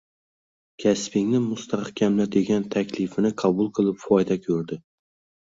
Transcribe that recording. kasbingni mustahkamla degan taklifini qabul qilib foyda ko'rdi.